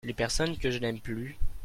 Les personnes que je n'aime plus.